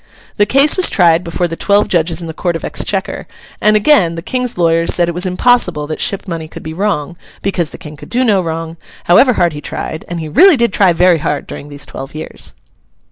This case was tried before the twelve judges in the Court of Exchequer, and again the King's lawyers said it was impossible that ship money could be wrong, because the King could do no wrong, however hard he tried—and he really did try very hard during these twelve years.